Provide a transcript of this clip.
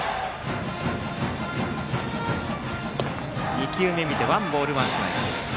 ２球目は見てワンボールワンストライク。